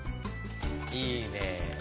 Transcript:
いいね。